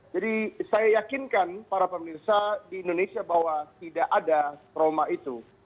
jadi saya yakinkan para pemirsa di indonesia bahwa tidak ada trauma itu